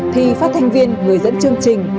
thi phát thanh viên người dẫn chương trình